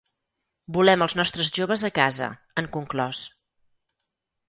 Volem als nostres joves a casa, han conclòs.